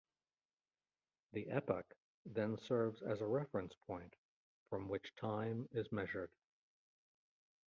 The "epoch" then serves as a reference point from which time is measured.